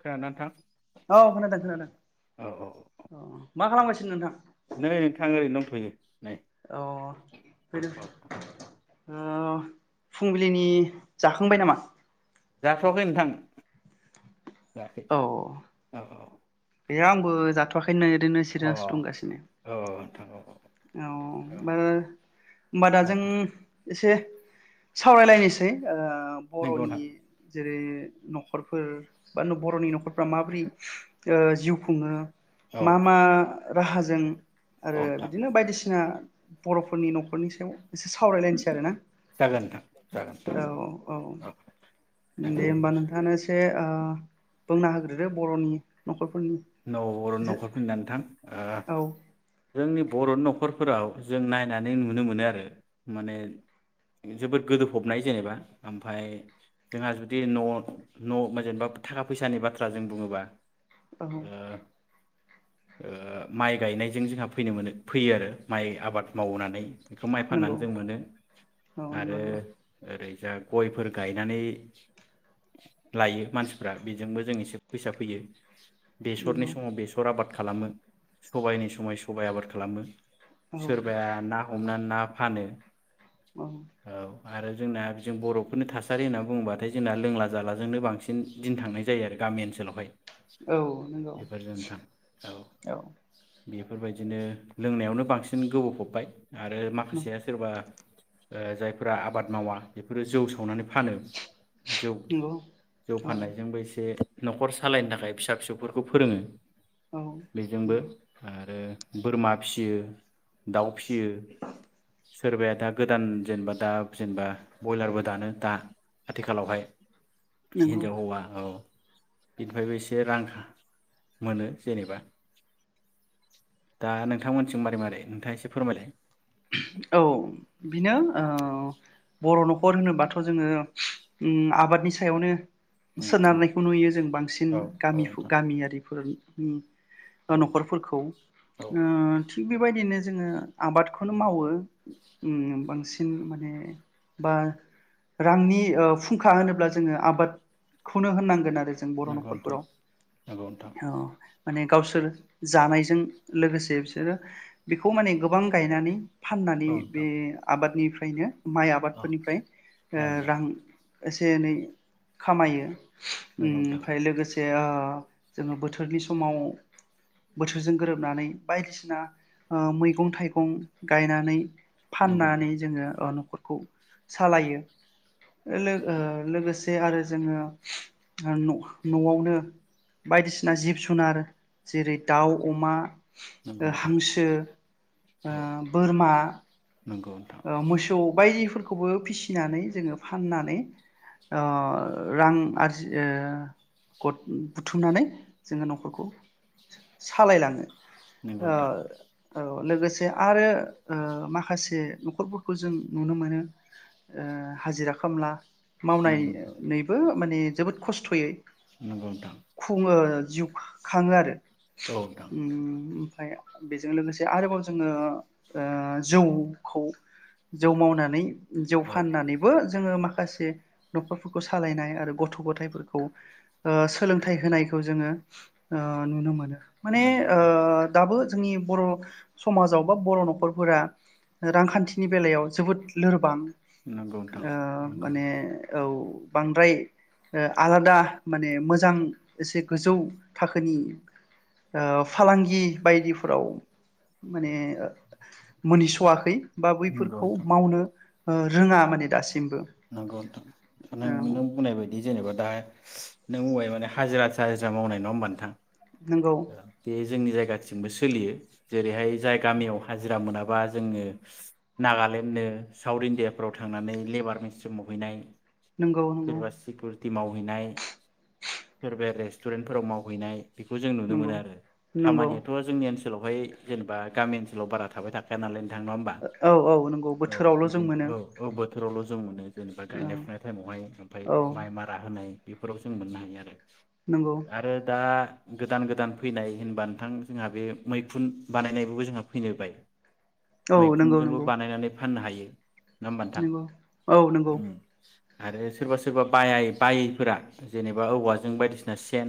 खोनादोंना नोंथां औ खोनादों खोनादों औ औ मा खालामगासिन नोंथां नै नोंथां ओरैनो दंथ'यो नै अ बेनो औ ओ फुंबिलिनि जाखांबाय नामा? जाथ'आखै नोंथां। जाखै [inaudible] बे आंबो जाथ'वाखै बिदिनो ओरैनो सिरियास दंगासिनो औ नोंथां औ औ औ हबा होमबा दा औ जों नोंथां एसे सावरायलायनोसै ओ नंगौ बर'नि नोंथां जेरै न'खरफोर बा बर'नि न'खरफोर ब्रा माब्रि ओ जिउ खुङो। औ मा मा राहाजों औ आरो नोंथां बिदिनो बायदिसिना बर'फोरनि न'खरनि सायाव एसे सावरायलायनोसै आरो ना जागोन नोंथां जागोन औ औ दे होमबा नोंथाङानो एसे ओ बुंना होग्रोदो बर'नि नखर न' बरनि न'खरफोरनानैथां औ ओ जोंनि बर' न'खरफोराव जों नायनानै नुनो मोनो आरो माने जोबोद गोदो फबनाय जेनेबा ओमफाय जोंहा जुदि न' न' जेनेबा थाखा फैसानि बाथ्रा जों बुङोबा। औ ओ ओ माइ गायनायजों जोंहा फैनो मोनो फैयो आरो माइ आबाद मावनानै। बेखौ माइ नंगौ फाननानै जों मोनो औ आरो नंगौ ओरै जा गयफोर गायनानै लायो मानसिफ्रा बेजोंबो जों एसे फैसा फैयो। बेसरनि नंगौ समाव बेसर आबाद। खालामो सबाइनि समाय सबाइ आबाद खालामो। नंगौ औ सोरबाया ना हमनानै ना फानो। औ आरो जोंना जों बर'फोरनि थासारि होनना बुंङोबाथाय जोंना लोंला जालाजोंनो बांसिन दिन थांनाय जायो आरो गामि ओनसोलावहाय। औ औ नंगौ बेफोर नोंथां औ। बेफोरबायदिनो लोंनायावनो बांसिन गोबावफबबाय। आरो माखासेया सोरबा ओ जायफोरा आ बाद मावा बेफोरो जौ सावनानै फानो जौ नंगौ जौ औ फाननायजोंबो एसे न'खर सालायनो थाखाय फिसा फिसौफोर खौ फोरोंङो। औ बेजोंबो आरो बोरमा फियो दाउ फिसियो सोरबाया दा गोदान जेनेबा दा जेनेबा बयलारबो दानो दा आथिखालावहाय नंगौ हिन्जाव होवा बिनिफ्रायबो एसे रांखा मोनो जेनेबा दा नोंथांमोनसिजों मारै मारै नोंथांङा एसे फोरमायलाय औ बिनो बर' न'खर होनोबाथ' जोंङो आबादनि सायावनो सोनारनायखौ नुयो जों बांसिन औ गामि औ नोंथां गामियारिफोर ओम औ नोंथां न'खरफोरखौ औ ओ थिग बेबायदिनो जोंङो आबाद आबादखौनो मावो बांसिन माने बा रांनि फुंखा होनोब्ला जोंङो आबादखौनो होननांगोन आरो आरो जों बर' नंगौ नोंथां न'खरफोराव नंगौ नोंथां औ माने गावसोर जानायजों लोगोसे बिसोरो बेखौ माने गोबां गायनानै फाननानै औ बे नोंथां आबादनि फ्राय माइ औ आबादफोरनिफ्राय औ नोंथां रां एसे एनै खामायो ओमफ्राय नंगौ लोगोसे आ जोंङो बोथोरनि समाव बोथोरजों गोरोबनानै बायदिसिना ओ मैगं थाइगं गं गायनानै फाननानै नोंथां जोंङो न'खर खौ सालायो लोगो ओ लोगोसे आरो जोंङो न' न'आवनो बायदिसिना जिब जुनार जेरै दाउ अमा नंगौ ओ नोंथां हांसो ओ नंगौ नोंथां औ बोरमा नंगौ नोंथां ओ मोसौ बैफोर खौबो फिसिनानै जोंङो फाननानै ओ रां आरजि ओ बुथुमनानै जोंङो न'खरखौ सालायलांङो नंगौ नोंथां नंगौ ओ औ लोगोसे आरो ओ माखासे न'खरफोरखौ जों नुनो मोनो ओ हाजिरा खामला नोंथां मावनानैबो माने जोबोद खस्थ'यै नंगौ नोंथां खुङो जिउ खाङो आरो औ नोंथां उम ओमफ्राय बेजों लोगोसे आरोबाव जोङो ओ जौ खौ जौ मावनानै जौ औ फाननानैबो जोङो माखासे न'खरफोरखौ सालायनाय आरो गथ' गथायाइफोरखौ ओ सोलोंथाइ होनायखौ जोङो नुनो मोनो माने नंगौ ओ नोंथां दाबो जोंनि बर' समाजाव बा बर' न'खरफोरा रांखान्थिनि बेलायाव जोबोद लोरबां नंगौ नोंथां ओ नंगौ माने औ बांद्राय ओ आलादा माने मोजां एसे गोजौ थाखोनि ओ फालांगि बायदिफोराव माने मोनहस'वाखै खै बा नंगौ बैफोरखौ नोंथां मावनो ओ रोङा माने दासिम नंगौ नोंथां नों नों बुंनाय बायदि जेनेबा दा नों बुंबाय माने हाजिरा थाजिरा मावनाय नङा होमबा नोंथां नंगौ ओ बे जोंनि जायगायाव दासिमबो सोलियो जेरैहाय जाय गामियाव हाजिरा मोनाबा जोङो नागालेण्डनो साउथ इण्डियाफ्राव थांनानै लेबार सो मावहैनाय नंगौ नंगौ खेथि मावहैनाय सोरबा रेस्टुरेन्टफोराव मावहैनाय बेखौ जों नुनो मोनो नंगौ आरो नंगौ खामानियाथ' जोंनि ओनसो ओनसोलावहाय जेनेबा गामि ओनसोलाव बारा‌ थाबाय थाखाया नालाय थां नंङा होनबा औ औ नंगौ औ बोथोरावल' जों बिदिनो मोनो औ औ बोथोरावल' जों मोनो जेनेबा औ गायनाय फुनाय टाइमावहाय ओमफ्राय औ माइ मारा होनाय बेफोराव जों मोननो हायो आरो नंगौ आरो दा गोदान गोदान फैनाय होनबा नोंथां जोंहा बे मैखुन बानायनायबो जोंहा फैनो बाय औ मैखुनजोंबो बानायनानै फाननो हायो नङा होमबा नोंथां नोंगौ औ नोंगौ आरो सोरबा सोरबा बाया बायैफोरा जेनेबा औवाजों बायदिसिना सेन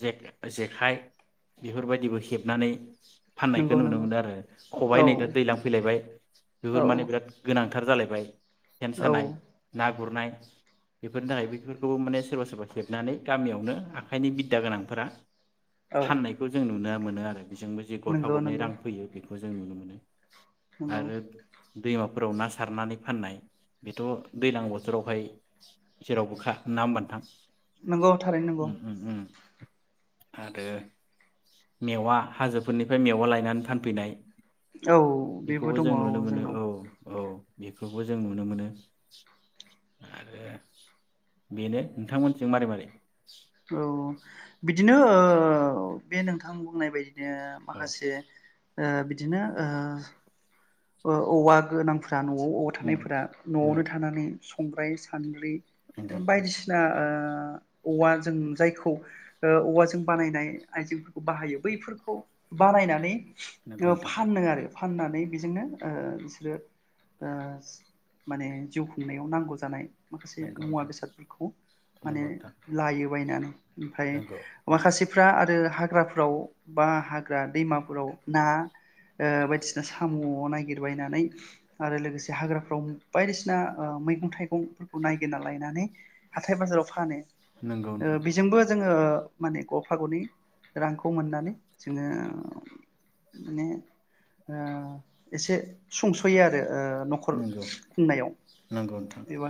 जेख-जेखाइ बेफोर बायदिबो हेबनानै फाननायखौ नंगौ नुनो नंगौ मोनो आरो औ खबाइ नै दा दैज्लां फैलायबाय औ बेफोर माने बिराद गोनां फोथार जालायबाय सेन औ सानाय ना गुरनाय बेफोरनि थाखाय बेफोरखौबो माने सोरबा सोरबा खेबनानै गामियावनो आखाइनि बिद्दा गोनांफोरा औ फाननायखौ जों नुनो मोन मोनो आरो बिजोंबो जे गरफा नंगौ गरनै नंगौ रां फैयो बे जों नुनो मोनो नंगौ आरो दैमाफोराव ना सारनानै फाननाय बेथ' दैज्लां बोथोरावहाय जेरावबोखा ना होमबा नोंथां नंगौ थारैनो नंगौ उम उम उम आरो मेवा हाजोफोरनिफ्राय मेवा लायनानै फानफैनाय औ बेबो दङ औ जोंनाव बेफोरखौ जों नुनो मोनो आरो बेनो नोंथांमोनथिं मारै मारै? औ बिदि नो ओ बे नोंथां बुंनाय बायदि नो औ माखासे ओ बिदिनो ओ ओ औवा गोनां फ्रा न'आव अवा उम थानायफोरा उम न'आवनो थानानै संग्राय सानद्रि नंगौ ओ नोंथां बायदिसिना ओ आ औवा जों जायखौ ओ औवाजों बानायनाय आइजेंफोरखौ बाहायो बैफोरखौ बानायनानै नंगौ ओ नोंथां फानो आरो फाननानै बेजोंनो ओ बिसोरो ओ माने जिउ खुंनायाव नांगौ जानाय माखासे नंगौ मुवा नोंथां बेसादफोरखौ माने नंगौ नोंथां लायो बायनानै ओमफ्राय नंगौ नंगौ माखासेफ्रा आरो हा ग्राफोराव बा हाग्रा दैमाफोराव ना ओ बायदिसिना साम' नायगिरबायनानै आरो लोगोसे हाग्राफ्राव बायदिसिना ओ मैगं थाइगंफोरखौ नायगिरना लायनानै हाथाय बाजाराव फानो नंगौ ओ नोंथां बेजोंबो जोङो ओ माने गरफा गनै रांखौ मोननानै जोङो माने ओ एसे सुंस'यो आरो ओ न'खर नोंगौ खुंनायाव नोंगौ नोंथां। एबा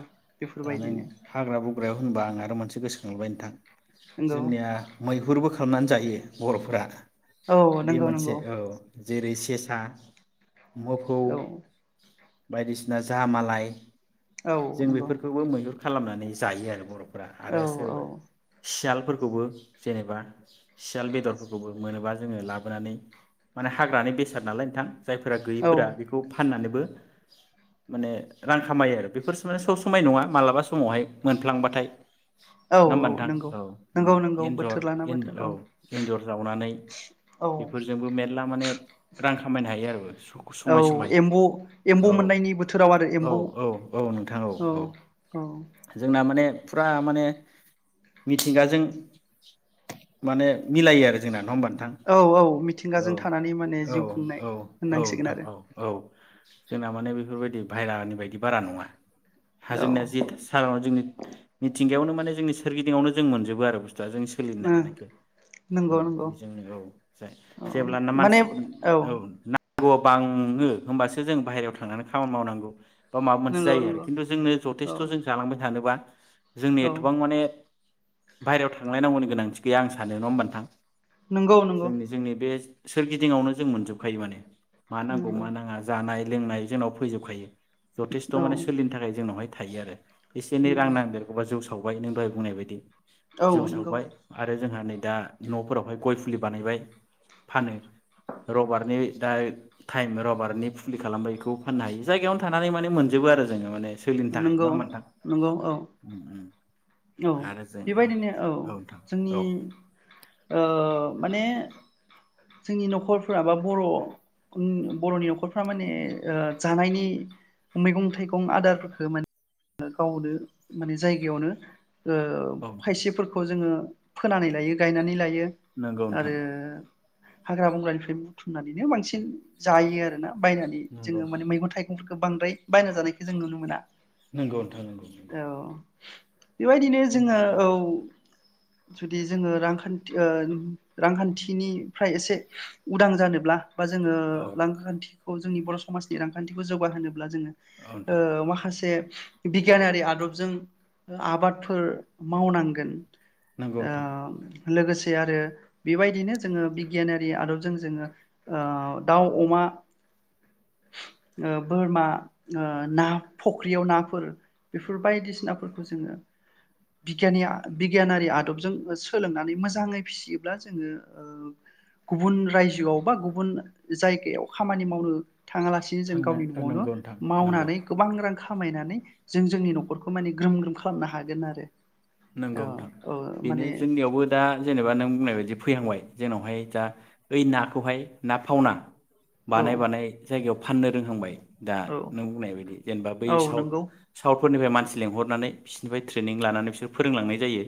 दा नों बेफोरबायदिनो हाग्रा बग्रायाव होनबा आं आरो मोनसे गोसोखांबाय नोंथां नंगौ जोंनिया मै हुरबो खालामनानै जायो बर'फोरा। औ बे नंगौ मोनसे नंगौ औ जेरै सेसा, मोफौ, औ बायदिसिना जाहा मालाय औ जों नंगौ बेफोरखौबो मैहुर खालामनानै जायो आरो बर' फोरा। औ आरो औ सोरबा सियाल फोरखौबो जेनेबा सियाल बेदरफोरखौबो मोनोबा जोङो लाबोनानै माने हाग्रानि बेसाद नालाय नोंथां जायफोरा औ गैयैफोरा बेखौ फाननानै बो माने रां खामायो आरो बेफोरसो माने सब समाय नङा मालाबा समावहाय मोनफ्लांबाथाय। औ नङा होमबा औ नोंथां? नंगौ औ नंगौ नंगौ एन्जर बोथोर लाना बोथोर औ एन्जर जावनानै औ बेफोरजोंबो मे ल्ला माने रां खामायनो हायो आरो औ समाय समाय एम्बु एम्बौ औ मोननायनि बोथोराव आरो औ एम्बौ औ नोंथां औ औ। जोंना माने फुरा माने मिथिंगाजों माने मिलायो आरो जोंना नङा होमबा नोंथां? औ औ औ मिथिंगाजों थानानै माने औ जिउ खुंनाय औ औ होननांसिगोन नोंथां आरो औ औ। जोंना माने बेफोरबायदि बायहेरानि बायदि बारा नङा। हा औ जोंनिया जि सारानाव जोंनि मिथिंगायावनो माने जोंनि सोरगिदिंआवनो जों मोनजोबो आरो जा जों सोलिनो ओ हानायखो। नंगौ औ नंगौ बेजोंनो औ औ जेब्लाना माने मानसि औ ना [unintelligible] बाङो होमबासो जों बाहेरायाव थांनानै खामानि मावनांगौ बा माबा मोनसे नंगौ जायो आरो नंगौ खिन्थु जोंनो औ जथेस्थ' जों जालांबाय थानोबा जोंनि औ एथबां माने बायहायाव थांलायनांगौनि गोनांथि गैया आं सानो। नङा होमबा नोंथां? नंगौ नंगौ जोंनि जोंनि बे सोरगिदिंयावनो जों मोनजोबखायो माने। मा नांगौ नंगौ मा नाङा जानाय लोंनाय जोंनाव फैजोबखायो जथेस्थ' औ माने सोलिनो थाखाय जोनावहाय हायो आरो एसे एनै रां नंगौ नांदेरगौवबा जौ सावो बहाय नों दहाय बुंनाय बायदि औ जौव नंगौ सावबाय आरो जोंहा नै दा न'फोरावहाय गय फुलि बानायबाय फानो र'बार नि दाय टाइम रबारनि फुलि खालामबाय बेखौ फाननो हायो जायगायावनो थानानै माने मोनजोबो आरो जोङो माने सोलिनो थाखाय नंगौ नङा होमबा नोंथां नंगौ औ उम उम औ आरो जों बेबायदिनो औ नोंथां जोंनि औ ओ माने जोंनि न'खरफ्रा बा बर' बर'नि न'खरफ्रा माने ओ जानायनि मैगं थाइगं आदार [unintelligible] गावनो माने जायगायावनो ओ औ नोंथां खायसेफोरखौ जोङो फोनानै लायो गायनानै लायो नंगौ आरो नोंथां हाग्रा बंग्रानिफ्राय बुथुमनानैनो बांसिन जायो आरोना बायनानै नंगौ जोङो नोंथां माने मैगं थाइगं बांद्राय बायना जानायखो जों नुनो मोना नंगौ नोंथां नंगौ नंगौ औ बेबायदिनो जोङो औ जुदि जोङो रांखान्थि ओ रांखान्थिनिफ्राय एसे उदां जानोब्ला बा जोङो औ रांखान्थि खौ जोंनि बर' समाजनि रांखान्थिखौ जौगाहोनो अब्ला जोंङो औ नोंथां माखासे बे बिगियानारि आदबजों आबादफोर मावनांगोन नंगौ नोंथां ओ लोगोसे आरो बेबायदिनो जोङो बिगियानारि आदबजों जोङो ओ दाउ अमा ओ बोरमा ओ ना फख्रियाव नाफोर बेफोर बायदिसिनाफोरखौ जोङो बिगियानि बिगियानारि आदबजों सोलोंनानै मोजाङै फिसियोब्ला जोङो ओ गुबुन रायजोआव बा गुबुन जायगायाव खामानि मावनो थाङालासिनो जों थांनो गावनि न'आवनो नंगौ नोंथां नंगौ मावनानै गोबां रां खामायनानै जों जोंनि न'खरखौ माने ग्रोम ग्रोम खालामनो हागोन आरो नोंगौ औ नोंथां औ बेनो माने जोंनियावबो दा जेनेबा नों बुंनाय बायदि फैहांबाय जोंनावहाय दा ओइ नाखौहाय ना फावना औ बानाय बानाय जायगायाव फाननो रोंहांबाय। दा औ नों बुंनाय बायदि जेनेबा बै औ साउथ नंगौ साउथफोरनिफ्राय मान सि लेंहरनानै बिसोरनिफ्राय ट्रेनिं लानानै बिसोर फोरोंलांनाय जायो।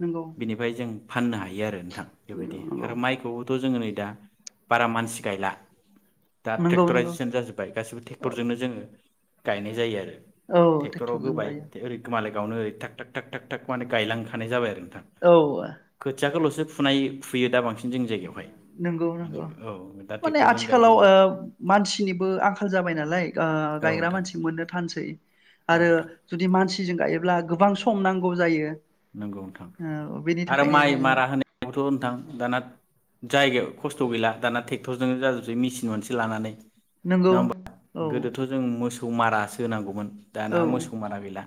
नंगौ बिनिफाय जों फाननो हायो आरो नोंथां बेबायदि नंगौ आरो माइखौबोथ' जोङो नै दा बारा मानसि गायला। दा नंगौ नंगौ टेक्टराइजेसन जाजोबबाय गासिबो औ टेक्टरजोंनो जोङो गायनाय जायो आरो औ टेक्टराव ट्रेक्टरजों होबाय गायो ओरै मालाय गावनो ओरै थाग थाग थाग थाग थाग माने गायलांखानाय जाबाय आरो औ खोथियाखोल'सो फुनाय फुयो दा बांसिन जोंनि जायगायावहाय नंगौ माने नंगौ। औ दा माने ट्रेक्टरजों आथिखालाव गायजोबो ओ मानसिनिबो आंखाल जाबाय नालाय ओ औ गायग्रा नोंथां मानसि औ मोननो थानसै आरो नोंथां जुदि मानसि जों गायोब्ला गोबां सम नांगौ जायो। नंगौ नोंथां ओ बेनि आरो थाखायनो माइ जोङो मारा होनायावबोथ' नोंथां दाना जायगायाव खस्थ' गैला दाना थेक्टरजोंनो जाजोबसै मेसिन मोनसे लानानै नंगौ नङा होनबा? औ गोदोथ' जों मोसौ खौ मारासो होनांगौमोन दाना औ मोसौ मारा गैला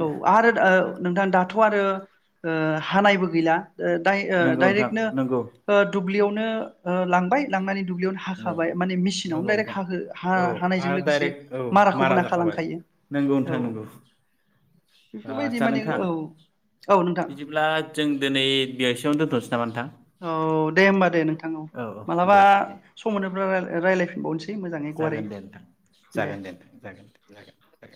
औ आरो ओ नोंथां दा दाथ' आरो ओ हानायबो गैला। ओ दाइ ओ नंगौ नोंथां डाइरेक्टनो नंगौ ओ दुब्लियावनो ओ लांबाय लांनानै दुब्लिआवनो नौ हाखाबाय माने नंगौ मेसिनावनोे नोंथां हाहो हा-हानायजों लोगोसे माराखौबो ना हाबाय नंगौ नोथां नंगौ। ओ बेफोरबायदि आदसा माने नोंथां औ औ नोंथां बिदिब्ला जों दिनै [unintelligible] आवनो दोनथ'नोसै नामा नोंथां औ दे होमबा दे नोंथां औ। मालाबा सम मोनोब्ला राय रायलायफिनबावनोसै। मोजाङै गुवारै जागोन दे नोंथां। जागोन दे नोंथां।